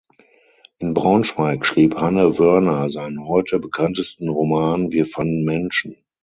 In Braunschweig schrieb Hanne Wörner seinen heute bekanntesten Roman „Wir fanden Menschen“.